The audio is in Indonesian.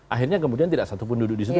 akhirnya kemudian tidak satupun duduk disitu